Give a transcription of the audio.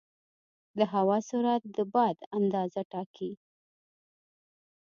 د هوا سرعت د باد اندازه ټاکي.